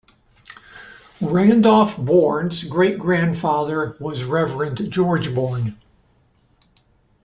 Randolph Bourne's great-grandfather was Reverend George Bourne.